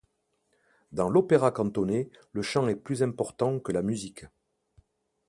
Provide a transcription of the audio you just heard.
Dans l’opéra cantonais, le chant est plus important que la musique.